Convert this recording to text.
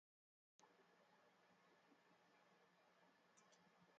He regularly performs at many local and international music festivals.